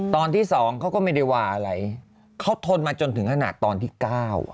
ตอนที่สองเขาก็ไม่ได้ว่าอะไรเขาทนมาจนถึงขนาดตอนที่เก้า